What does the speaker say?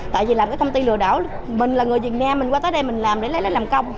tại vì làm cái công ty lừa đảo mình là người việt nam mình qua tới đây mình làm để lấy đó làm công